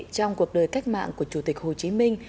trong cuộc đời cách mạng của chủ tịch hồ chí minh